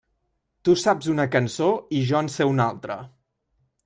Tu saps una cançó i jo en sé una altra.